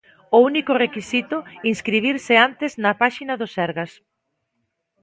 O único requisito, inscribirse antes na páxina do Sergas.